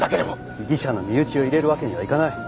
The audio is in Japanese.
被疑者の身内を入れるわけにはいかない。